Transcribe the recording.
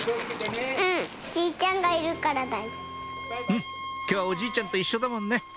うん今日はおじいちゃんと一緒だもんね